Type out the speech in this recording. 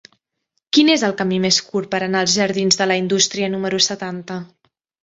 Quin és el camí més curt per anar als jardins de la Indústria número setanta?